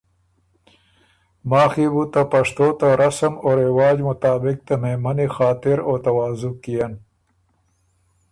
ماخ يې بو ته پشتو ته رسم او رواج مطابق ته مهمنی خاطر او تواضح کيېن